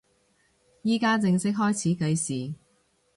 依家正式開始計時